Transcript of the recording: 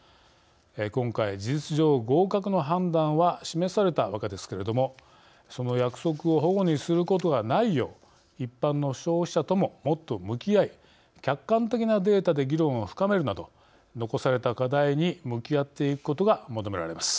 今回、事実上合格の判断は示されたわけですけれどもその約束を、ほごにすることがないよう一般の消費者とももっと向き合い客観的なデータで議論を深めるなど残された課題に向き合っていくことが求められます。